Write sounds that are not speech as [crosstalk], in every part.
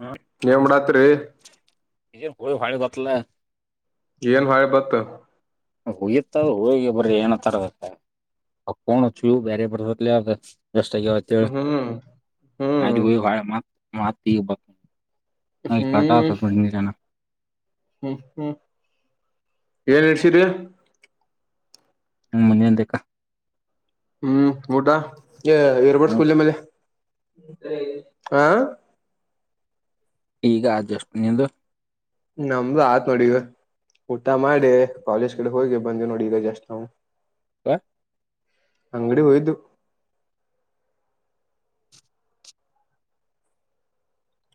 ಹ್ಮ ಏನ್ ಮಾಡತ್ತೀರಿ ಏನ್ ಹೋಗಿ ಒಳ್ಳಿ ಬತ್ತಲಾ ಏನು ವಳ್ಳಿ ಬಂತ ಹೋಗಿತ್ತದ ಹೋಗಿ ಬರ್ರಿ ಏನತ [unintelligible] ಅದು ಫೋನ್ ಅಚ್ಚು ಬ್ಯಾರೆ ಬರತೈತೆಲೆ ಅದು ಅಚ್ಚ ಎಷ್ಟು ಆಗ್ಯವ ಅಂತ ಹೇಳಿ ಹ್ಮ್ ಹ್ಮ್ ಹಾಗಿ ಹೋಗಿ ವಳ್ಳಿ ಮತ್ತ ಮಾತ ಈಗ ಬ [inaudible] ಹ್ಮ್ ಹ್ಮ್ ಹ್ಮ್ ಏನ್ ನಡಸಿರಿ ಹ್ಮ್ ಮನಿಂದಕ ಹ್ಮ್ ಊಟಾ ಇರ್ಬೋರ್ಟ್ ಸ್ಕೂಲ್ ಮೇಲೆ. ಹಾ. ಈಗ ಆಯ್ತು ಜಸ್ಟ್ ನಿಂದು. ನಮ್ದು ಆತ್ ನೋಡಿ ಈಗ ಊಟ ಮಾಡಿ ಕಾಲೇಜ್ ಕಡೆ ಹೋಗಿ ಬಂದ್ವಿ ನೋಡ ಈಗ ಜಸ್ಟ್ ನಾವು. ಹ. ಅಂಗಡಿ ಹೋಗಿದ್ವ.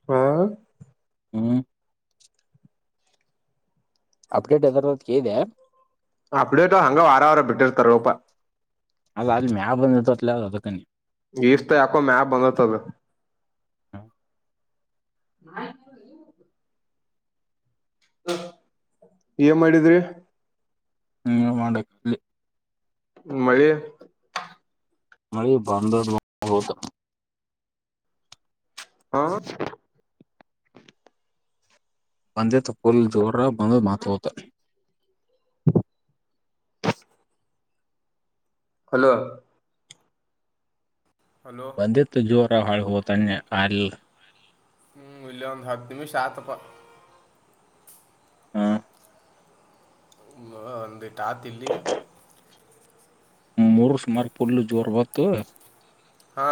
ಹಾ. ಹ್ಮ್. ಅಪ್ಡೇಟ್ ಏದರದು ಅಂತಾ ಕೇಳಿದ್ಯಾ. ಅಪ್ಡೇಟ್ಟ ಹಂಗ ವಾರ ವಾರ ಬಿಟ್ಟಿರ್ತಾರ ಹೋಪ. ಅಲ್ಲ ಅಲ್ ಮ್ಯಾಗ ಬಂದ ನಿಂತೈತೆ ಅದು ಅದಕ್ಕೆ ಅಂದೇ. ಗೀಷ್ಟ ಯಾಕೋ ಮ್ಯಾಕ ಬಂದತದು. ಹಾ. [unintelligible] ಏನ್ ಮಾಡಿದ್ರಿ. ಹ್ಮ ಮಾಡಂಡೆ ಕಲ್ಲಿ. ಮಾಡಿ. ಮಾಡ ಬಂದದ. ಹಾ. ಪಂದ್ಯ ತಪ್ಪೋಲ್ ಜೋಡ್ರ ಬಂದು ಮಾತು ಹೋತ. ಹಲೋ. ಹಲೋ ಬಂದಿತ್ತು ಜೋರ. ಒ ಹಳ್ ಹುತನ್ನೆ ಅಲ್. ಹ್ಮ್ ಇಲ್ಲ ಒಂದು್ ಹತ್ತು ನಿಮಿಷ ಆತಪ. ಹ್ಮ. ಒಂದು ಟಾತ್ ಇಲ್ಲಿ. ಮೂರು ಸ್ಮಾರಕ್ ಪುಡ್ಲು ಜೋರ್ ಬತ್ತು. ಹಾ.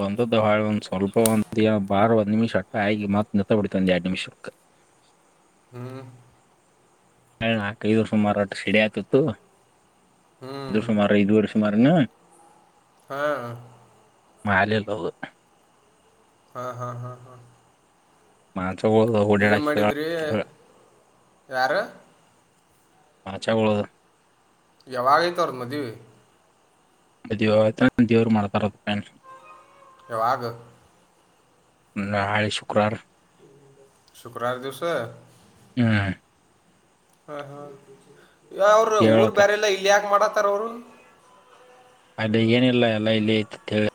ಬಂದದ್ದ ಹಾಳ ಒಂದು ಸ್ವಲ್ಪ ಒಂದ ಬಾರ ಒಂದು್ ನಿಮಿಷ ಅಟ್ಟ ಆಯಿ ಮಾತ್ರ ನತ್ತ ಬಿಿಡಿತಂದ ಎಡ್ ನಿಿಷಕ್ಕೆ ಹ್ಮ್. ಹ ನಾಕೈದು ಸುಮಾರು ಒಟ್ಟು ಸಿಡಿ ಆಯ್ತಿತ್ತು. ಹ್ಮ್ ಇದು ಸುಮಾರ್ ಇಐದು ವರ್ಷುಮಾನ. ಅ್ಣ. ಹಾ. ಮಾ ರಿ ಯ ಬ. ಹಾ ಹಾ ಹಾ ಹಾ. ಮ. ಏ ಮಾಡಿದ್ರಿ ಯಾರು. ಮಾಾಚಗಳ. ಯಾವಾಗಐತ್ರ ಮದುವೆ. ಅ ದ ದೇವ್ರು ಮಾಡ್ತಾರದ. ಯಾವಾಗ. ಹಳಿ ಶುಕ್ರಾರ. ಶುಕ್ರಾರ ದಿವಸ. ಹ್ಮ್. ಹ್ಮ ಹಾ. ಯ ಅವ್ರರು ಊರ್ ಹೇಳತ್ತ ಬೇರೆಲ್ಲ ಇಲ್ಲಿ ಯಾಕೆ ಮಾಡತ್ತ ತರೋರು ಅದ ಏನಿಲ್ಲ ಎಲ್ಲ ಇಲ್ಲಿ ಯತಂತ ಹೇಳ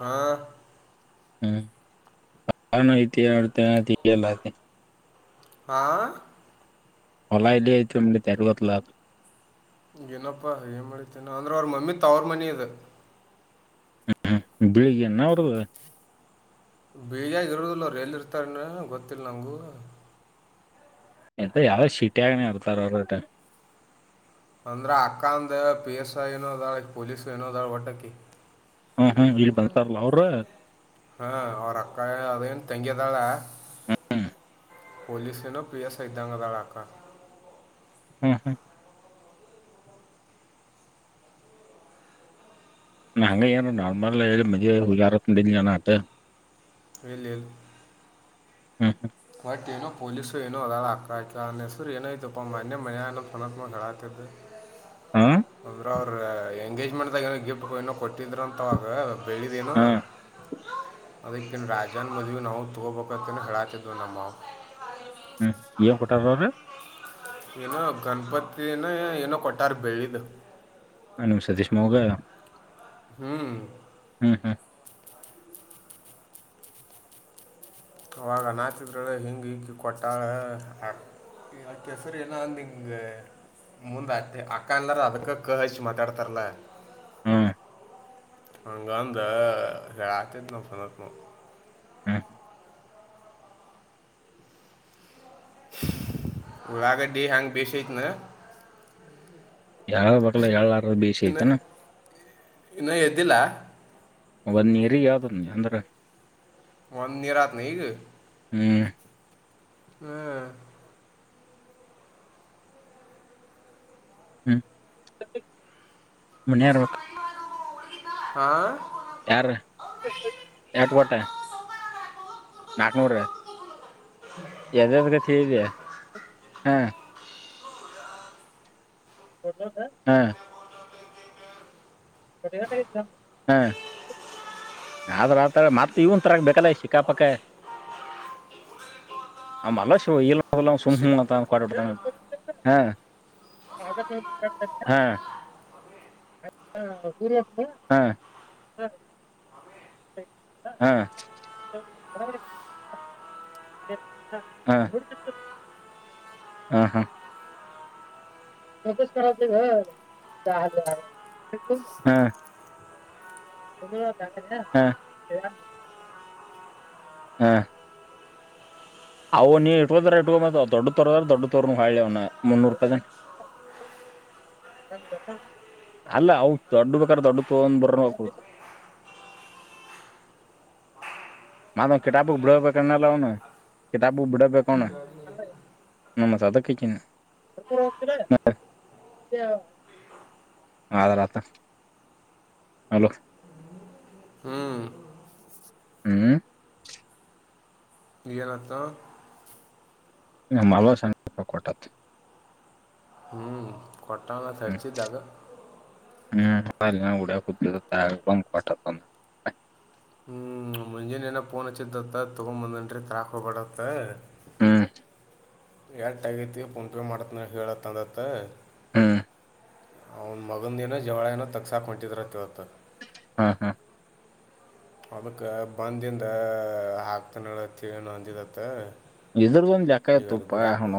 ಹಾ ಹ್ಮ್ ಆಾನ ಇತಿಹರ್ತಯ ತಿಿಯಲ್ಲತಿ ಆ ಒಲಾಯಲ್ಲಿತಮಲ್ಲಿ ತರಗತ್ ಲಾಾಗ ಏನಪ್ಪಾ ಏನ್ ಮಾಡಿತೇನ ಅಂದ್ರ ಅವ್ರ ಮಮ್ಮಿತ್ ಅವ್ರ ಮನಿದ ಹ್ಮ್ಮ ಬೆಳಿಗ್ಗೆ ನ ಅವ್ರದ ಬೀಜಾಗಿ ಇರೋದಿಲ್ಲ ರ ಎಲ್ಲಿ ಇರ್ತಾರ ಗೊತ್ತಿಲ್ಲ ನಂಗೂ ಎಂತ ಯಾವು ಶಿಟಿ ಆಾಗನ ಇರ್ತಾರ ಅವರದಟ ಅಂದ್ರ ಅಕ್ಕಾ ದೇವ ಪಿಎಸ್ಐ ಇನೋದಾಳ ಪೊಲೀಸ ನೋದಾಳ ಒಟಕಿ ಹ್ಮ್ ಹ್ಮ್ ಇಲ್ಲಿ ಬಂತಾರಲ್ಲ ಅವ್ರು ಹಾ ಅವರ ಅಕ್ಕಾ ಅದನು ತಂಗಿಯ ಅಲ್ಲ ಪಲೀಸನೋ ಪ್ರಿಯ ಸಿದ್ಧಾಂಗದಳಕ್ಕ ಹಾ ಹಾ ಹಂಗಗೆನ ನಾರ್ಮಲ್ ಹುಜಾರಂಡಲಿ ಜನ ಅಂತ ಲ ಹ್ಮ್ ಹ್ಮ ವಟ್ನ ಪಲಸುನ ಅಾರ ಆ ಅ ನಸು ನ ಇಐತ ಮ ಮನ ಸನತ್ ಗಡಾತ ಹ ಹಾ ಅವರು ಎಂಗೇಜ್ಮೆಂಟ್ದಾಗ ಏನೋ ಗಿಫ್ಟ್ ಏನೋ ಕೊಟ್ಟಿದರು ಅಂತವಾಗ ಬೆಳಿದೆನ ಹಾ ಅದಕ್ಕನ್ ರಾಜನ್ ಮದ್ವಿ ನಾವು ತಗೋಬೇಕ ಹೇಳಾ ದ ನಮ್ಮವು ಹ್ಮ್ ಏನ್ ಕೊಟ್ಟಾರ ಅವರು ಏನೋ ಗಣಪತಿನ ಏನೋ ಕೊಟ್ಟಾರ ಬೆಳ್ಳಿದ ಹ ನಮ ಸತೀಶ್ ಮೋೋಗ ಹ್ಞೂ ಹ್ಮ್ ಹ್ಮ್ ಅವಾಗನಾತಿದ್ರ ಹಿಂಗ ಹ ಕೊಟ್ಟಕಸರಿ ಏನ ಅಂದ ಹಿಂಗ ಮುಂದ್ ಆತಿ ಅಕ್ಕ ಅಲ್ಲಾರ ಅದಕ್ಕ ಕ ಹಚ್ಚಿ ಮಾತಾಡ್ತಾರಲ್ಲ ಹ್ಮ್ ಹಂಗಂದ ಹೇಳ ಆತಿದ ನ ಸತ್ ಹಾಂ ಹಾ ಆಗ ಹ್ಯಾಂಗ್ ಬಸೇತ್ ನ ಯಾರ ಬಕ್ಲ ಯಳ್ಾರ ಬೇಸ ಐತಾನ ಇನ್ನೂ ಎದ್ದಿಲ್ಲ ಒಂದ ಇರ್ ಯಾವ್ದನ್ ಅಂದ್ರೆ ಒಂದು ನೀರತ್ ನ ಗ ಹ ಹ್ಮ್ ಹ್ಮ್ ಮುನ್ನರ್ ಹಾ ಯಾರ ಎರಟ ಕೋಟ ನಾಕ್ನೂರ ರ ಎದಾದ ಗತಿ ಹೇಳಯಾ ಹಾ ಹಾ ಹ್ಮ ಆದ್ರ ಆತ ಮತ್ತ ಇವನ್ ತರ ಬೇಕಲ್ಲ ಶಿಕಾಪಕ್ಕಲ ಶ ಇ ಅಲ್ಲ ಸಿಗ್ ಸುಮ್ಮ್ಲ್ಲಾ ಕಾಡ್ತ ಹಾಂ ಹಾಂ ಹ ಹಾಂ ಹಾಂ ಹಾ ಹ ಹಾ ಹ [unintelligible] ಹಾ ಅವು ನೀ ಇಟ್ದಾರ ಇಟ್ಕೊ ಮತ್ ದೊಡ್ಡ ತೋರದ್ರ ದೊಡ್ಡ ತೋರ್ ಹಾಿ ಅವ್ನ ಮುನ್ನೂರು ರೂಪಾಯ ಅಲ್ಲ ಅ ದೊಡ್ಡ ಬೇಕ್ರ ದೊಡ್ಡ ತೋಗೊಂಡ್ ಬರ್ ಮಾದಾ ಕಿಬಕ್ ಬಕನ್ನಲ್ಲಾವನು ಕಬ ಗಾಡಿ ನಮ್ಮ ಸದ ಕ ಹದಲ್ಲ ಹಲೋ ಹ್ಮ್ ಹ್ಮ್ ಏನಂತೋ ನಮ್ಮ ಹಲೋ ಸಪ ಕೊಟ್ಟತ್ತ ಹ್ಞೂ ಕೊಟ್ಟಾನ ಹ್ಮ್ ರ್ಚಿದ್ದಾಗ ಹ್ಮ್ ಉಡ ಕು ಬಂಕಟ ಮುಂಜಿನನ್ ಏನ ಪೊನಚ್ಚಿತ್ತತ್ತ ತೊಗೊಂಬಂದನ್ರಿ ತರಾಕ್ ಹೋಗ್ಬ್ಯಾಡ್ರಿ ಅಂತ ಹ್ಮ ಎಟ ಆಗೈತಿ ಫೋನ್ ಪೇ ಮಾಡತ್ನ ಹೇಳತ್ತ ಅಂದತ್ತ ಹ್ಮ್ ಅವನ್ ಮಗುಂದ ದಿನ ಜವಳಏನ ತಗಸಾಕ ಹೋಂ ಟಿದರತವತ್ತ ಹಾ ಹಾ ಅದಕ್ಕ ಬಂದಿಂದ ಹಾಕ್ತಾನತಿಏ ನ ಅಂದಿದತ್ತ ಇದ್ರಗೊಂದ್ ಜಕ ಈಗ ಅಲ್ಲಿ ಆತ್ತುುಪ್ಪ ಗುಡ್ಯಾಪ್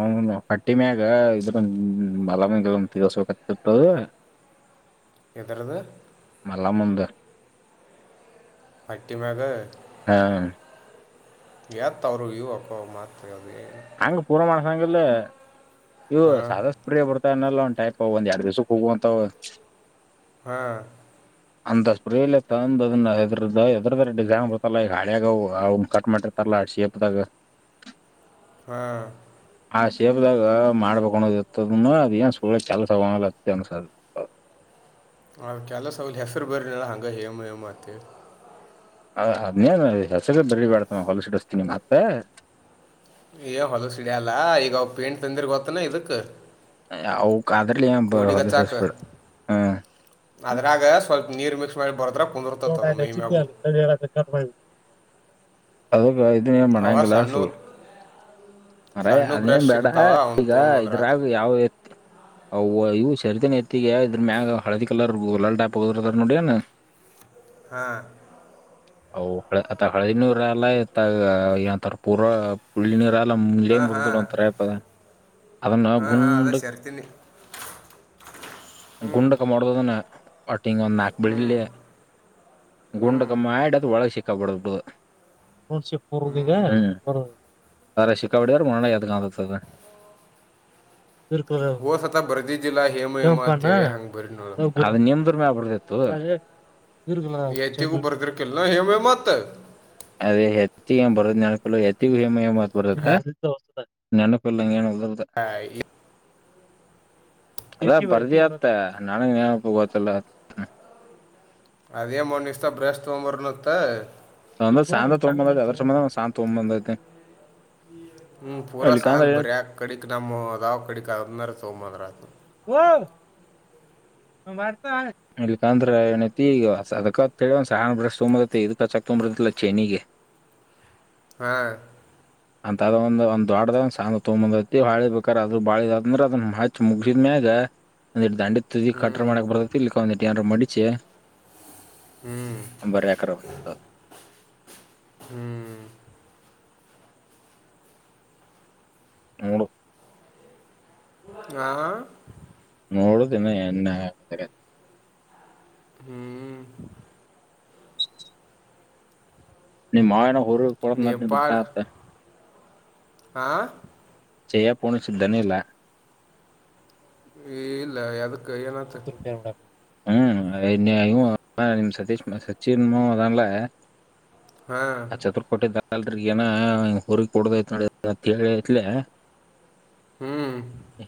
ಹಟ್ಟಿಮ್ಯಾಗ ಇದ್ರ ಮಲಾಮಿಗೆಲ್ಲ ತಗಸ್ಬೇಕತಿರ್ತದ ಎದರದು ಮಲ್ಲಮ್ಮಂದ ಮಟ್ಟಿಮಾಗ ಹಾ ಎತ್ ಅವರು ಯುವಕ ಮತ್ರ ಅಂಗ ಪೂರ್ವ ಮಾಡ ಹಾಗಲ್ಲ ಇವ ಹಾಂ ಸಧಷ್ಟ ಪ್ರಿಯ ಬರ್ ಲ್ಲ ಒಂದು ಟೈಪ್ ಒಂದ್ ಎರಡ್ ದಿವಸಕ್ಕೆ ಹೋಗುವಂತ ಹಾ ಅಂತಾ ಸ್ಪ್ರೇ ತ ಅದನ್ನ ಹೈದರಗ ಅ ಎಕ್ಸಾಮ್ ಬರ್ತಲ್ಲ ಈಗ ಹಾಳ್ಯಾಗ ಅವ ಕಟ್ ಮಾಡಿರ್ತಾರಲ್ಲ ಶೇಪ್ದಾಗ ಹ್ಮ್ ಆ ಶೇಪ್ದಾಗ ಮಾಡ್ಬೇಕುದಿರ್ತದ ಅದ ಏನ್ ಸುಳ್ಳ ಚಾಸ್ಗತ್ತ ಅನ್ಸದ ಅವ ಕೆಲ ಸವಲ್ ಹೆಸರು ಬರಲಿಲ್ಲ ಹಂಗ ಹೇಮ ಹೇಮ್ತ್ತ ಹ ಅದ್ನೇನ್ ಹೆಸರು ಬರಿಬೇಡ. ಯ ಹೊಲ ಸಿಡಲ್ಲಾ ಈಗ ಪೇಂಟ್ ತಂದಿರ್ ಗೊತ್ತನ ಇದಕ್. ಹಚ್ಚಾಕ ಅದ್ರಾಗ ಸ್ವಲ್ಪ [unintelligible] [unintelligible] [unintelligible] [unintelligible] ಅದು ಮೈ ಮ್ಯಾಗು ಇದನ್ನ ಅವ ಮಾಡಲಾಗಿಲ್ಲ ಸಣ್ಣು ಸುಳ್ಳ ಮಾರಾಯಾ ಸಣ್ಣು ಅದೇ ಬ್ರಷ್ ಬೇಡ ಸಿಗ್ತಾವ ಅವ್ನು ಈಗ ತೊಗೊಂಬಂದ್ರ ಆತು ಇದ್ರಾಗ ಯಾವ ಅಯು ಇವೆ ಸಿಗ್ತಾ ಸರದನ್ ಎತ್ತಗ ಇದ್ರ ಮ್ಯಾಗ ಹಳದಿ ಕಲರ್ ಗುಲಾಲ್ ಟ್ಯಾಪ್ ಹೋದರ್ ನೋಡಿ ಏನ. ಹಾ. ಹ ಆ ಹಳದಿ ನೀರ ಅಲ್ಲ ಏಂತರ ಪೂರ ಪುಳ್ಳ ನೀರ ಲ್ಲೇ ಹಾಂ ಮೃತದಡ ಹಾಂ ಒರ ಇತದ ಅದನ್ನ ಹಾಂ ಹಾಂ ಗುಂಡ ಅದ ಸೇರ್ತೀನಿ ಗುಂಡ ಕ ಮಾಡದನ್ನ. ಟಿಗ್ ಒಂದ್ ನಾಕ್ ಹ್ಞೂ ಬಿಡ್ಲಿ ಹ್ಞೂ ಗುಂಡಕ ಮಾಡಿ ಆ ಇಡದು ಒಳ ಸಿಕ್ಕಪಡಬುದು. ಒನ್ಸೆ ಕುರ್ದಗ [unintelligible] ಓ ಸತ ಬರ್ದಿದ್ದಿಲ್ಲ ಹೇಮ ಹೇಮತ್ಯವ ಹಂಗ್ ಬರಿ ನೋಳು ಅಬಡ್ದಿತ್ತು. ಎತ್ತಿಗೂ ಬರ್ದ್ರ ಕಿಲ್ಲ ಕಮ್ಮತ. ಅದೇ ಹೆತ್ತಿ ಹೆ ಬರೋ್ ನನಕ ಹೆತ್ತಿಗ [unintelligible] ನೆನಪಿಲ್ಲ ಏನ ಹಾ ಈ ಅದ ಪರ್ದಿ ಆತ್ತ ನಾನಗೆ ನಪ ಗೊತ್ತಿಲ್ಲ. ಅದೇ ಮಣಿಸತ ಬ್ರೇಸ್ತ್ ತೋಂಬರನತ್ತ. [unintelligible] ಇಲ್ಲಿಕಂದ್ರ ಏನ್ [unintelligible] ಹೂ. ಇಕಂದ್ರ ಏನತಿ ಈಗ ಅದಕ ಒಂದ ಸ ತುಂಬತಿ ಇದ ಕಚ್ಚಕ್ ತುಂಬ್ರತ್ತಲ್ಲ ಚಿನ್ಗಿ ಹಾ. ಅಂತದ ಒಂದು ಒಂದ್ ದೊಡ್ದ ಒಂದ ಸಣ್ಣದು ತಗಐತಿ ಬಾಳಿ ಬೇಕಾದ ಅ್ರ ಬಾಳಂದ್ರೆ ಅದನ್ನ ಹಚ್ಚಿ ಮುಗಸಿದ್ಮ್ಯಾಗ ಒ ದಂಡಿ ತುದಿಗಿ ಹ್ಞೂ ಕೆ ಮಾಡಕ್ ಬರುತ್ತೆ ಇಲ್ಲಿಕ್ಕ ಯನ್ರಾ ಮಡಿಚಿ. ಹ್ಞೂ [unintelligible] ಹ್ಞೂ [unintelligible] ಆ ನೋಡುದಿನ ಎನ್ ಹ್ಮ್ ನಿಮ್ಮ [inaudible] ಅವ ಕೊಳ ನೇಪಾಳ ತಾತ [inaudible] ಹಾಂ ಜಾ ಪಣ ಸ್ದನಿಲ್ಲ ಏ ಇಲ್ಲ ಯದು ಚತು ಟ ಉಡ [inaudible] ಹ್ಮ್ನ್ ನಿಮ್ ಸತೀಶ ಸಚೀನ್ಮನ್ ಹಾ ಆ ಚತುರ್ಕೋಟಿದ ಕಲ್ದಗ್ ಏನ ಊರಿಗ್ ಕುಡದೈತ್ ನೋಡ ಹೇಳಿತ್ಲೆ ಹ್ಮ್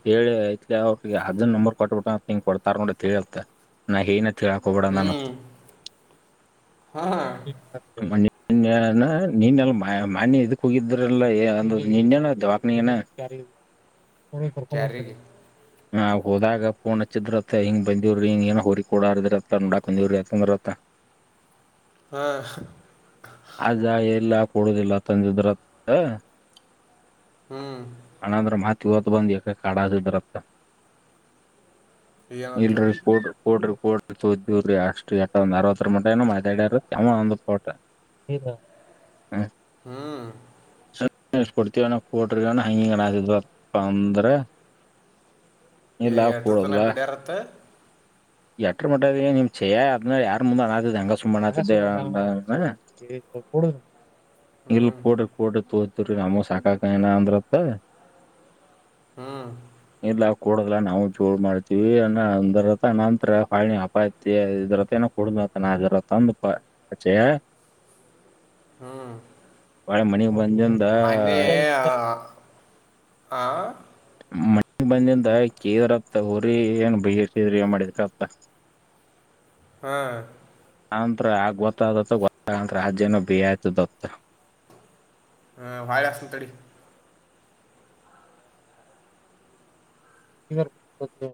ಹೇಳಿ ಆಯ್ತು ಗೆ ಅದ ನಂಬರ್ ಕಟ್ಟಬಿಟ್ಟ ಹಂಗ ಕೊಡ್ತಾರ ನೋಡ ಹೇಳಳ್ ನಾ ಏನ್ ರಕಬಡ ನ [inaudible] ಹ್ಮ್ ಹಾ ನಿನ್ ನೀನ್ನಲ್ಲ ಮಾನ್ಯ ಇದಕ್ ಹೋಗಿದ್ರಲ್ಲ ನಿನ್ನನವಾಕನಗನ ಕ್ಯಾರಿಗೆ [unintelligible] ಹ ಹೌದಾಗ ಫೋನ್ ಹಚ್ಚಿದ್ರತ್ತ ಹಿಂಗ ಬಂದೀವ್ರಿ ಹಿಂಗ ಏನ ಹೋರಿ ಕ ಕೊಡಾರದಿತ್ತ ನೋಡಾಕಂದವ್ರ ಯಂದ್ರತ್ತ ಹಾ ಅದ ಎಲ್ಲ ಕೊಡುದಿಲ್ಲ ತಂದಿದ್ರತ್ರ ಹ್ಮ್ ತರತ್ ಬಂದ ಯಕ ಕಾಡ ಸಿ ಬರತ್ತ ಏನತ್ತ ಇಲ್ರಿ ಸ್ ಸ್ಫೋಡ್ರಿ ಕೋಡ್ ತೋದವ್ರಿ ಅಷ್ಟ ಎಟ್ಟ ಒಂದ್ ಅರವತ್ತರ ಮಂಟೆನ ಮತಾಡಾರ ಯಮ ಒಂದ ಪೋಟ ಹ್ಮ್ ಕೊಡ್ತೀವಣ ಕೊಟ್ರಿನ ಹಂಗಿಣಸ್ದ್ವಪ್ಪ ಅಂದ್ರ ಇಲ್ಲ ಕೊಡಲ್ಲ [unintelligible] ಬಿಡಾರತ್ತೆ ಹ [inaudible] ಎಟ್ರ ಮಟ್ಟದ ನಿಮ್ ಚಛಯ ಅದ್ಮೇ ಯಾರ್ ಮುಂದೆ ಅನಾತದ ಹಂಗ ಸು ಅನಾತ ಇಲ್ ಹ್ಮ್ ಕೂಡ ಕೂಡ ತೋ ನಮ್ಮ ಶಾಖಾ ಕನಾ ಅಂದ್ರತ ಹ್ಮ್ ಕೊೂಡದಲ ನಾವು ಚೋಳ್ ಮಾಡ್ತೀವಿ ಅನ್ನ ಅಂದರ ನ ಹತ್ರ ಹಾಳಿ ಅಪಾಯತಿ ಇದ್ರ ಏನ ಕುಡ್ದತನರ ತಂದಪ ಆಚೆ ಹ್ಮ ನಾಳೆ ಮನೆ ಮಂಜದಾ ಆ ಮನಗ್ ಬಂದಿಂದ ಕೆದ್ರತ ಹಊರಿ ಏನ್ ಬೈಸಿದ್ರಿ ಏ ಮಾಡಿದ್ರ ಅತ್ತ ಹ್ಮ ಆನಂತರ ಆಗ ಗೊತ್ತಾದತ್ತ ಗೊತ್ತ ರಾಜೇನ ಬಿ ಆಯ್ತದತ್ತ ಹ ವಾಯ ಅಸನೆ ತರಿ [unintelligible]